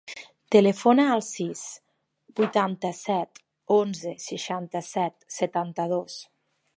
Telefona al sis, vuitanta-set, onze, seixanta-set, setanta-dos.